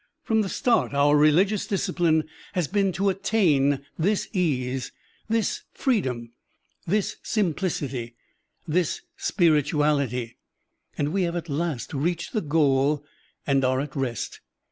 From the start our religious discipline has been to attain this ease, this freedom, this simplicity, this spirituality, and we have at last reached the goal and are at rest.